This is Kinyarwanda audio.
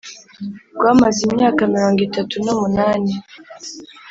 rwamaze imyaka mirongo itatu n’umunani,